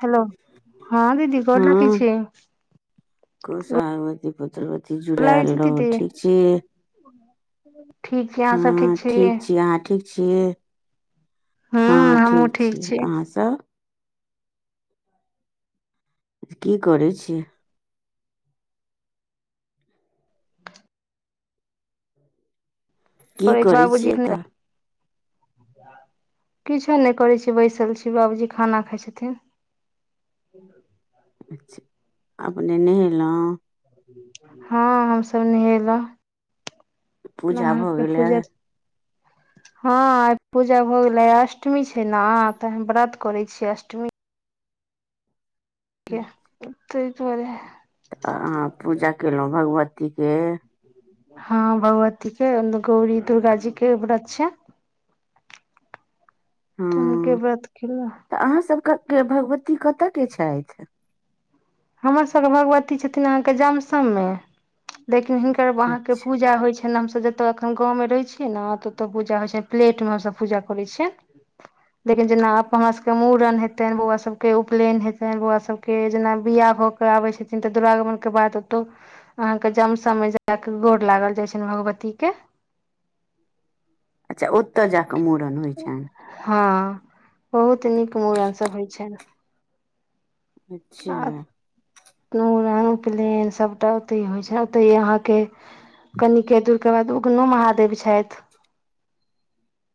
Hello हँ दीदी गोड़ लगई छी। खूब सुहागवती पुत्रव लागै जुड़ैल छी रहू, दीदी ठीक छी? ठीक छी अहाँ सब हँ, ठीक छी अहाॅं ठीक छियै? हूँ हँ हमहुँ ठीक छीियै छी अहाँसभ। [unintelligible] की कर छी। [unintelligible] की करै छै बाबूजी। छियै तऽ [unintelligible] किछो नहि करै छी बैसल छी बाबूजी खाना खाइ छथिन। [inaudible] अपने नहयेलहुँ। [unintelligible] हँ हमसभ नहेलहुँ। [unintelligible] पूजा नहा भऽ के गेलै। पूजा [unintelligible] हँ पूजा भऽ गेलै अष्टमी छै ने तऽ हम व्रत करै छियै अष्टमी। [unintelligible] अ। [unintelligible] त त बरे है। [unintelligible] तऽ अ पूजा केलहुँ। [unintelligible] भगवतीीक के। हँ भगवती के गौरी दुर्गा जी के व्रत छै। [unintelligible] हनके हँ बात खेला। तऽ अहाँ सबके [unintelligible] के भगवती कतय के छथि। [unintelligible] हमर सबके भगवती छथिन अहाँके जामसममे देख। [unintelligible] हिनकर अच्छा वहां के पूजा होइ छै। [unintelligible] खन हमस जत अखन गाँव मे रहे छीियै ने त ओत पूजा होय छै प्लेट में हमस पूजा करे छियै लेकिन जेना हमरा सबके मूड़न हेतेनि बौआ सब के उपनयन हेतनि बौआ सबके के जेना। बिियाह हो के आबै छथिन तऽ दुरागमन के बाद ओतौ अहाँके जमसम मे जााक गोर लागल जाइ छ भगवती के। अच्छा उत्तजा। [unintelligible] क मूड़न होइ छनि। [unintelligible] हँ बहुत नीक मुूड़नसभ होइ छनि। [unintelligible] अच्छा। [unintelligible] नूड़न उपनयन सभटा ओतहि होइ छै ओतहि अहाँके कनिके दूरके बाद उगनो महादेव छथि। [unintelligible]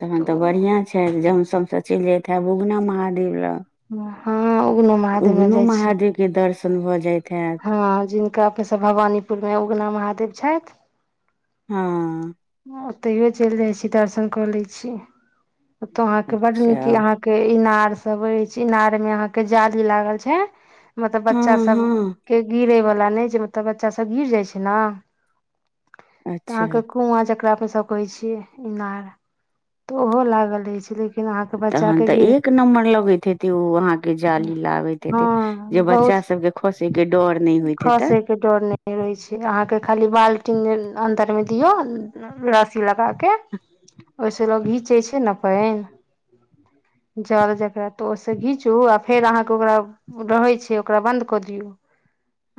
तखन तऽ बढ़िआं छै। [unintelligible] सबस चलि जत है बूगना महादेव लऽ। [unintelligible] हँ उगनो महादेव मे उगनो जाइ छियै महादेव के दर्शन। सन्द भऽ जाइत। हैत हँ जिनका अपने सब भवानीपुर मे उगना महादेव। छथि। [unintelligible] हँ। [unintelligible] ओतहिो चलि जाइत छी दर्शन कऽ लैत छी। ओतो अहाँ के बड अच्छा नीक य यहा के इनार। सबै छै इनार मे अहाँके जाली लागल छै। मतलब बच्चा हँ सब हँ -के गिरे वाला। लाने जेब ओता बच्चा सब गिर जाय छै ना। अच्छा। अ जकरा अपना सब कहै छीये इनार, त उहो लागल रहै छै, लेकिन अहाँके बच्चा तहन के तऽ गिर एक नम्बर लगैत हेतै ओ अहाँके जाली लाबैत हेते हँ जे बहुत बच्चा सभके खोसेके डर नहि होइत हेतै। खसे के [unintelligible] टी ने अन्दर मे यो उम्म रस्सी लगा के ओय से लोग घीचे छै ना। पेएन जाल जकरा तऽ ओय से घींचू आ फेर अहाँ के ओकरा रहै छै ओकरा बन्द क दियौ,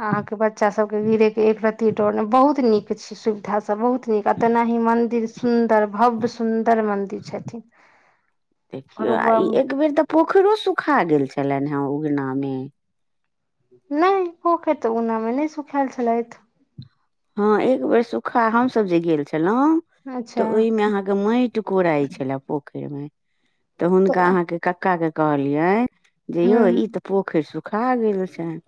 अहाँ के ब च्चा सबके गिरे के एक र ती डर ने, बहुत नीक छै सुविधा सब बहुत नीक एतना ही मंदिर सुन दर भव्य सुन्दर मन्दिर छथि, देखियौ आ भगवा लैन हय उगना मे। नै पोखर ते उगना मे नै सुखाएल छलैथ। हाँ एक बेर सुखा हम सब जे गेल छ एलौ तऽ अच्छा ओय मे अहाँ के मेएट कोराय छलै पोख एर मे। तऽ हुनका अहाँ के कक्का के कहलियै। जे यौ ई हूँ ते पोखेएर सु खा गेल छैन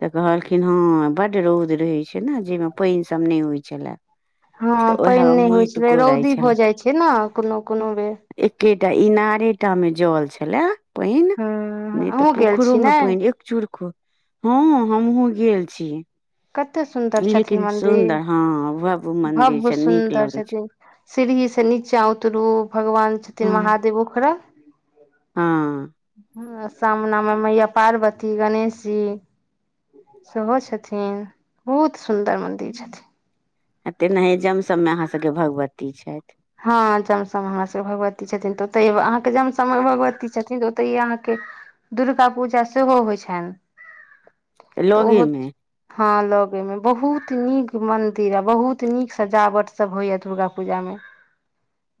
ते कहल खिन हाँ बड रौद रहै छैन। जे मे पेएन सब नै होय छलाए, हँ तऽ पानि ओहाए नहि मे होइ मेएट छलै कोराय रौदी भऽ छलाए, जाइ छै ने कोनो कोनो बेर एकेटा इनारेटा मे जल छ लाए। पेएन हँ नै ते अहूँ गेल पोखरो छी मे ने पेएन एक चुरखो हाँ हमहु गेल जी। कते सुन्दर छथिन मन्दिर, हँ भव्य मंदिर भब छै नीक सुन्दर लगे छै छथिन, सीढ़ी से नीचा उतरू भगवान छथिन महादेवों खड़ा हाँ। ह हमरा सामना मे मैया पार्वती, गणेश जी सेहो छथिन, बहुत सुन्दर मन्दिर छथिन। एतेक ने हेजम सब मे अहाँ सब के भगवती छैथ। हाँ जमसम मे हमर सबके भगवती छथिन तऽ ओतेये अहाँ के जमसम मे भगवती छथिन तऽ ओतेये अहाँ के दुर्गा पूजा सेहो होय छैन। लगे मे। हाँ लगे मे बहुत नीक मंदिर अ बहुत नीक सजावट सब होय या दुर्गा पूजा मे।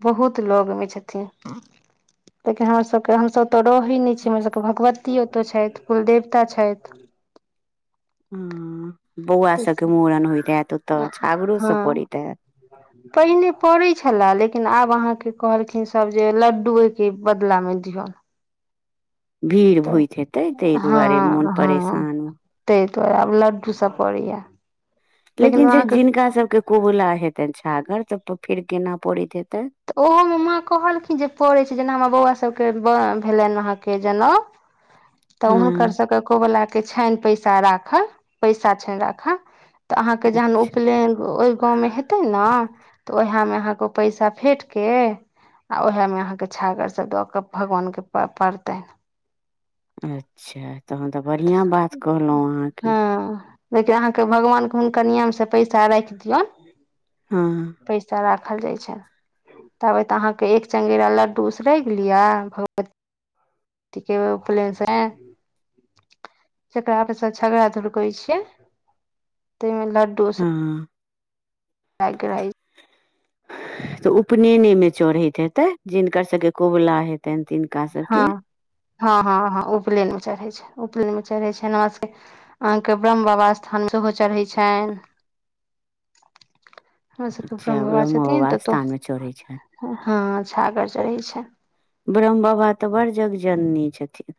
बहुत लग मे छथि, लेकिन हमर सब के हम सब ते रहै नै छी, हमर सब के भगवती एता छैथ, कुल देवता छैथ। हां बौउआ सबके मुड़न होय के आएत। तऽ छागरो सब हँ पड़ैत अय। पहिने पड़ै छला, लेकिन आब अहाँ के कहलखिन सब जे लड्डुए के बदला मे दिहा। भीड़ होएत हेतै तै दुआरे मुन परेशान हो तऽ आब लड्डू सब पड़े या। लेकिन जे जिनका सबके कोबला हेतैन छागर तब पर फेर केना पड़ैत हे तऽ ओहो मे माँ कहलखिन जे पड़ै छै, जेना हमर बौउआ सब के बा भेलैन अहाँ के जनौऊ। तऽ हुनकर हँ सकै कोबला के छैन पैसा राखा, पैसा छैन राखा। तऽ अहाँ के जहन अच्छा उपलैन ओएब गांव मे हेते ना तऽ उहाए मे अहाँ के पैसा फेट के आ ओहाए मे अहाँ के छागर सब दऽ के भगवान के प पड़तैन। अच्छा तहन तऽ बढ़ियाँ बात कहलौ अहाँ के। हँ लेकिन अहाँ के भगवान के हुनकर नियम से पैसा राएख दियौ। हँ पैसा रा खल जाय छै। तबे ते अहाँ के एक चंगेरा लड्डू उसरैग लियौ भगवती के उपलैन समय। जकरा पीछा छगड़ा धुड़कै छियै ते मे लड हाँ। [unintelligible] तऽ उपनेने मे चढ़ैत हेतै, जिनकर सबके कोबला हे हाँ-हाँ-हाँ-हाँ उपलैन मे चढ़े छै। उपनैन मे चढ़ै छैन, हमरा सब के अहाँ के ब्रह्म बाबा स्थान सेहो चढ़ै छैन। हमरा सबके ब्रह्म अच्छा बाबा छथिन तऽ ओतो, स्थान मे चढ़ै छनि हाँ। छागर चढ़ै छै। ब्रह्म बाबा ते बड़ जग जननी छथिन।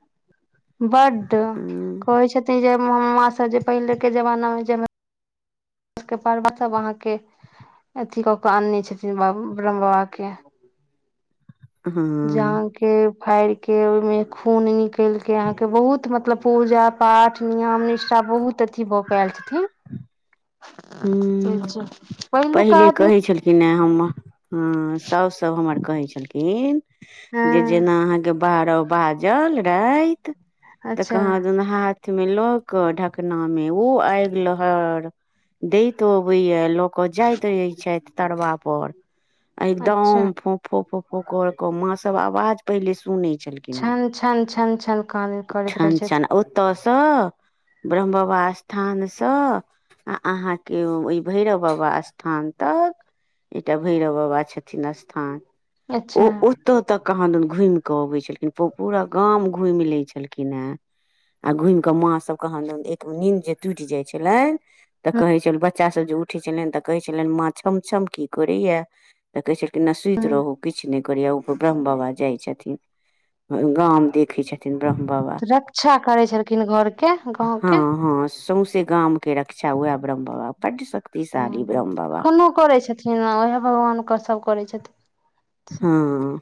बड हँ कहै छथिन जे उम्म मां से जे पहिले के जमाना मे जेमे पर्वत सब अहाँ के अथी कऽ केऽ आनने छथिन ब्रह्म ब्रह्म बाबा के। हँ [unintelligible] के फाएड़ के ओय मे खून निकैल के अहाँ के बहुत मतलब पूजा-पाठ, नियम-निष्ठा बहुत अथी भऽ के आएल छथिन। ह्म्म, पहिलुका पहिले आदमी कहै छलखिन नै हम हाँ सॉस सब हमर कहै छलखिन। जे जेना हँ अहाँ के बाहरब बाजल राए त, ते अच्छा कहा दूना हाथ मे लऽ कऽ ढकना मे उ आएग लहर दैत अबै या, ल के जाएत रहय छैथ तरबा पर अ अच्छा एगदम फोफो-फोफो कर के मां सब अवाज पहिले ई सुनी छलखिन हय, छन छन छन छन कान करैत रहै छन- छन छथि ओता स ब्रह्म बाबा स्थान स आ अहाँ के ओ ई भैरव बाबा स्थान तक एकटा भैरव बाबा छथिन स्थान अच्छा ओ ओतो तक कहादन घुम के अबे छलखिन, पु पूरा गाम घुम लै छल खिन अय। आ घुम कऽ माँ सब कहांदन एक नीन्द जे टूट जाय छलैन। ह कहै छल बच्चा सब जे उठै छलैन तऽ कहै छलैन माँ छम-छम की करैया तऽ कहै छै ते ना सुत रहु, किछ नै करैया, ओय पर ब्रह्म बाबा जाय छथिन। गाम देखै छथिन ब्रह्म बाबा रक्षा करै छलखिन घरके गाँवके हाँ-हाँ सौंसे गाम के र क्षा उहाए ब्रह्म बाबा बड श ह्म्म-ह्म्म अखनो करै छथिन आ उहाए भगवान के सब पड़े छथि। हाँ।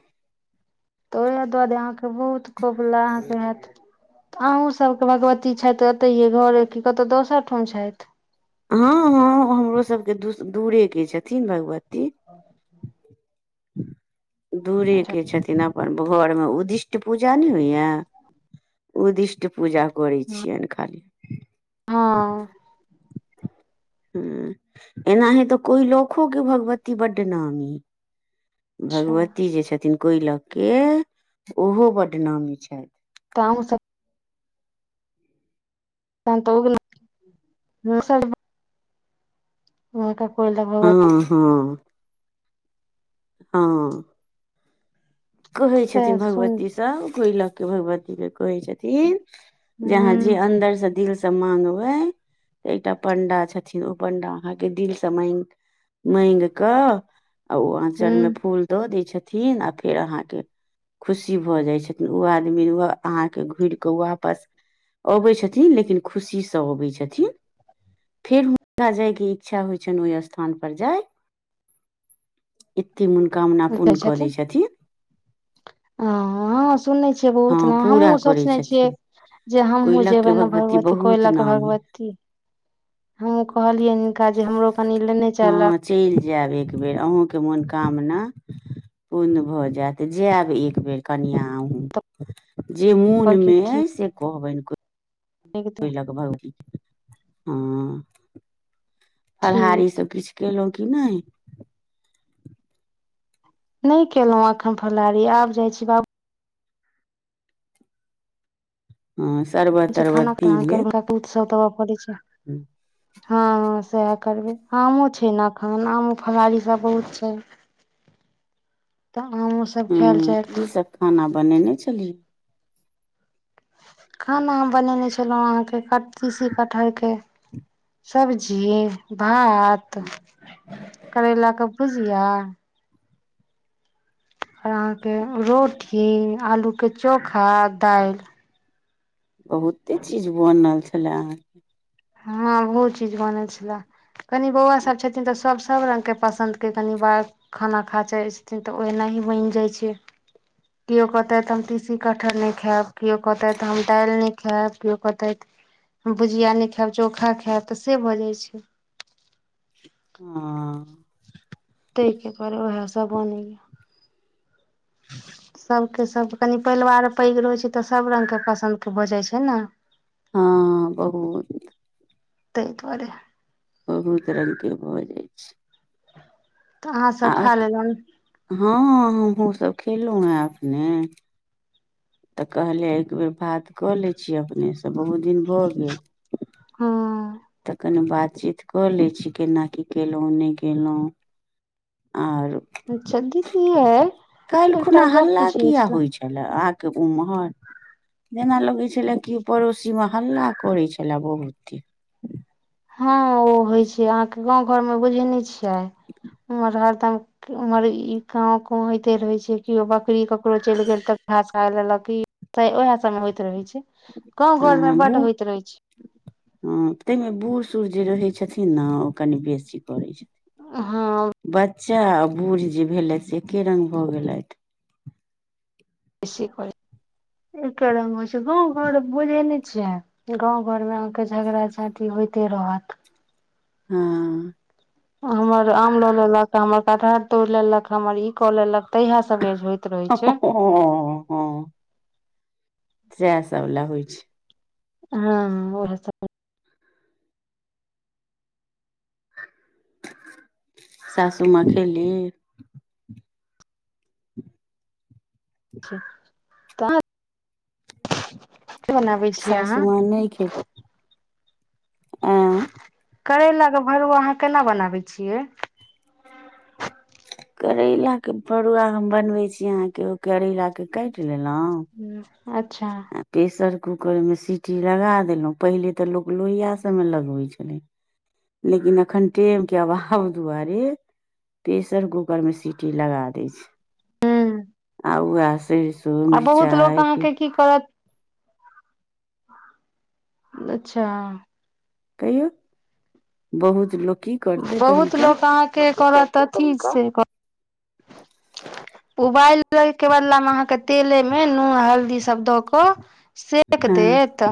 तऽ उहाए दुआरे अहाँ के बहुत कोबला अहाँ के हाएत। त अहूँ सबके भगवती छैथ ओतैये घरे की कतौ दोसर ठाम छैथ। हाँ-हाँ हमरो सब के दूस दूरे के छथिन भगव दूरे के छथिन, अ पन घर मे उदिष्ट पूजा नै होयया, उदिष्ट पूजा करै छियेन खाली। हँ [unintelligible] ह्म्म एनाहे ते कोई लोखो के भगवती बड्ड नामी। अच्छा भगवती जे छथिन कोय ला के ओहो बड नामी छैथ। ता हमु सब [unintelligible] मेकअप। हाँ-हाँ। हाँ। कहै से छथिन सुन भगवती सब कोई ला के भगवती के कहै छै। ती। ह जहाँ जे अन्दर से, दिल से त मांगबै एकटा पण्डा छथिन ओ पंडा अहाँ के दिल से मेंग मेंग क अ उ आचर मे फूल दऽ दय छ थिन आ फेर अहाँ के खुशी भऽ जाय छथिन, उ आदमी उ अहाँ के घुर के वापस अबै छथिन, लेकिन खुशी से अबै छथिन। फेर हुनका जाय के इच्छा होय छैन, ओय स्थान पर जाय ती मुनकामना पुन क दै छथिन। आ हाँ स सुनै छियै बहुत हँ ना पूरा हमु करै सोचनाय छियै छथिन जे हमहूँ कोयलख के जेबै ने भगवती बहुत कोयला के नामी भगवती, हमहुँ कहलियै हिनका जे हमरो कनि लेना चला। जाएब एक बेर अहूँ के मोनकामना पूर्ण भऽ जाएत, जाएब एक बेर कनिया अहूँ। [unintelligible] जे मुन कहलखिन मे से कहबैन। ठीक कोयला के भगवती हाँ। फलहारी ठीक सब किछ केलौ कि नै। नै केलौ अखन फलाहरी आब जाय छी बाबू हाँ बाबूजी खाना शरबत-तरबत पी तहन लेब। करबै [unintelligible] छै। ह्म्म। हाँ-हाँ सहाए करबै, कामो छै ना खाना मे फलहारी सब बहुत छै। तऽ आमो सब खायल हाँ जायत की सब खाना बनैने छली। खाना हम बनैने छलौ अहाँ के क टी सी कटहर के सब्जी भात, करेला के भुजिया और अहाँ के रोटी, आलू के चोखा, दाएल। बहुते चीज बनल छलै अहाँ के। हाँ बहुत चीज बनल छला। कनि बौउआ सब छथिन ते सब सब रंग के पसन्द के कनि बार खाना खा चाहै छथिन ते ओहनाही बैन जाय छै, कियो कहतै ते हम टी सी कटहर नै खाएब, कियो कहतै ते हम दाल नै खाएब, कियो कहतै ते हम भुजिया नै सब चोखा खाएब ते से भऽ जाय छै। हां। तै के दुआरे उहाए सब बनै या। सबके सब कनि पेलवार पैग रहै छै तऽ सब रंगके पसन्द के भ जाय छै ने। हाँ बहुत। तै दुआरे। बहुत रंग के भऽ जाय छै। तऽ अहाँसभ खा आक लेलहुँ हाँ हमु सब खेलौ हेँ अखने। तऽ कहलियै एक बेर बात कऽ लै छियै अपने सँ बहुत दिन भऽ गेल। हां। तऽ कने बात चीत कऽ लै छी केना की कैलौ नै कैलौ। आर अच्छा दीदी यै काएल एकटा खुना गप हल्ला पूछै किया छले होय छला अहाँ के उम्हर जेना लगै छले कियो पड़ोसी मे हल्ला करै छले बहुते। हाँ उ होय छै, अहाँ के गाँव घर मे बुझै नै छी यै उम्हर ह तम उमहर इ कांव कु होते रहे छै, कियो बकरी ककरो चैल गेल त घास खा लेलक, कि [unintelligible] उहाए सब मे होएत रहे छै। अ गाँव घर मे बड बूढ़ होएत रहै छै। तूर जे रहै छथिन ना ओ कनि बेसी करै छै। ब च्चा आ बूढ़ जे भेलैथ से एके रंग भऽ गेलैथ। बेसी काल एके रंग होय छै, गाँव घर बुझै नै छियै, गाँव घर मे अहाँ के झगड़ा झाँटी होयते रहत। हाँ। हमर आम लऽ लेलक, त हमर कटहर तोड़ लेलक, हमर ई कऽ लेलक। तहिया सब होइत रहै छै हाँ-हाँ। साएह सब लै होय छै। हाँ उहो सब सासु मां खेली। छै तऽ छियै सासु अहाँ माँ नै खेली। एं। करैला के भरुवा अहाँ केना बनाबै छियै। करैला के भरुवा हम बनबे छी अहाँके ओ करैला के काटि लेल ना हूँ अच्छा। कूकर मे सीटी लगा देलहुँ पहिले तऽ लोक लोहिया सभमे लगबै छलै लेकिन एखन टेम के अभाव दुआरे प्रेशर कूकर मे सीटी लगा दैत छैय। हूँ आव व्याह सेरसों आ बहुत लोक मिरचाई पे अहाँके की करत अच्छा कहियौ बहुत लोक बहुत लोक अहाँके करत अथि से उबालिके बदलामे अहाँके तेलेमे नून हल्दी सब दऽ कऽ सेक हाँ। देत।